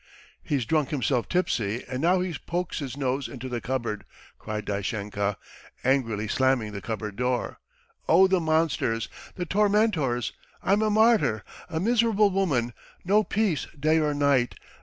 "He's drunk himself tipsy and now he pokes his nose into the cupboard!" cried Dashenka, angrily slamming the cupboard door. "Oh, the monsters, the tormentors! I'm a martyr, a miserable woman, no peace day or night!